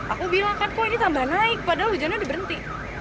aku bilang kan kok ini tambah naik padahal hujannya diberhenti